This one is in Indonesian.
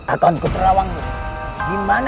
akonku terlawang gimana